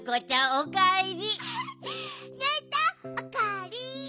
おかえり。